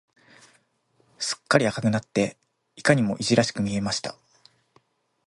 すっかり赤くなって、いかにもいじらしく見えました。